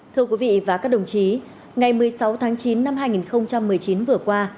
thưa quý vị và các đồng chí ngày một mươi sáu tháng chín năm hai nghìn một mươi chín vừa qua